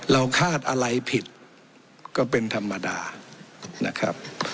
คาดอะไรผิดก็เป็นธรรมดานะครับ